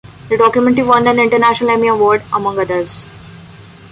The documentary won an International Emmy Award, among others.